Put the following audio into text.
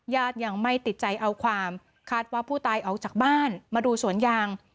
ยังไม่ติดใจเอาความคาดว่าผู้ตายออกจากบ้านมาดูสวนยาง